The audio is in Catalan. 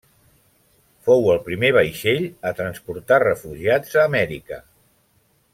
Fou el primer vaixell a transportar refugiats a Amèrica.